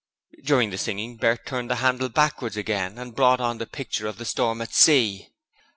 During the singing Bert turned the handles backwards and again brought on the picture of the storm at sea.